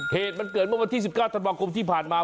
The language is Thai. เหตุมันเกิดเมื่อวันที่๑๙ธันวาคมที่ผ่านมา